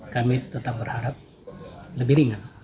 kami tetap berharap lebih ringan